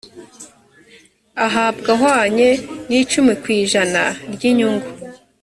ahabwa ahwanye n’icumi ku ijana ry’inyungu